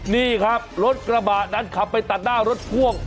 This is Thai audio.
นี่ครับรถกระบะนั้นขับไปตัดหน้ารถพ่วง